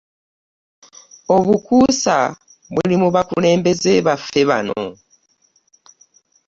Obukuusa buli mu bakulembeze baffe bano!